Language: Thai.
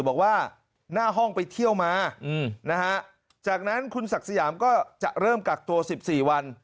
บอกว่าหน้าห้องไปเที่ยวมานะฮะจากนั้นคุณศักดิ์สยามก็จะเริ่มกักตัว๑๔วัน